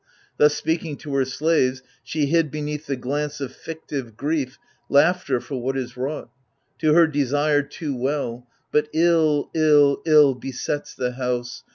Thus speaking, to her slaves She hid beneath the glance of fictiye grief Laughter for what is wrought — to her desire Too well ; but ill, ill, ill besets the house.